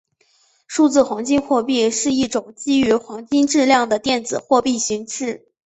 数字黄金货币是一种基于黄金质量的电子货币形式。